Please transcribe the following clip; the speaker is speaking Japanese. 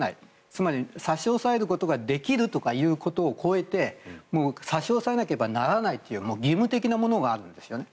つまり、差し押さえることができるとかいうことを超えて差し押さえなければならないという義務的なものがあるんですね。